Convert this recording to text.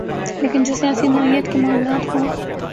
لیکن جو سیاسی نوعیت کے معاملات ہوں۔